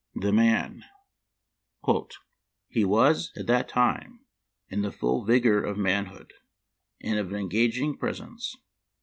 The Man. —" He was, at that time, in the full vigor of manhood, and of an engaging pres ence.